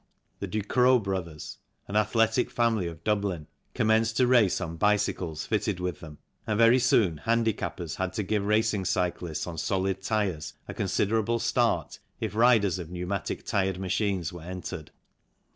The Du Cros brothers, an athletic family of Dublin, commenced to race on bicycles fitted with them, and very soon handicappers had to give racing cyclists on solid tyres a considerable start if riders of pneumatic tyred machines were entered.